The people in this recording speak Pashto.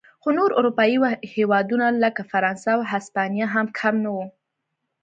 خو نور اروپايي هېوادونه لکه فرانسه او هسپانیا هم کم نه و.